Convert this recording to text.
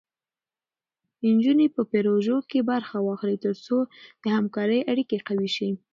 نجونې په پروژو کې برخه واخلي، تر څو د همکارۍ اړیکې قوي شي.